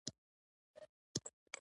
کاشکې د جنګ د ورځپاڼې ریفرنس راسره وای.